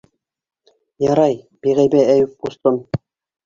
Ярай, биғәйбә, Әйүп ҡустым!